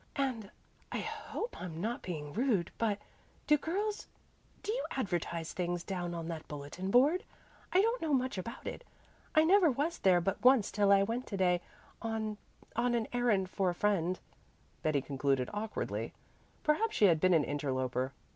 "And I hope I'm not being rude but do girls do you advertise things down on that bulletin board? I don't know much about it. I never was there but once till I went to day on on an errand for a friend," Betty concluded awkwardly. Perhaps she had been an interloper.